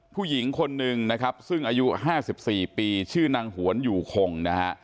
ผู้หญิงคนหนึ่งนะครับซึ่งอายุ๕๔ปีชื่อนางหวนอยู่คงนะฮะ